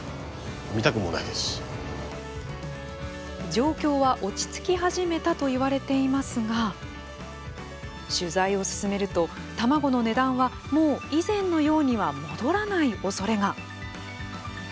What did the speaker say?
状況は、落ち着き始めたといわれていますが取材を進めると、卵の値段はもう以前のようには戻らないおそれが。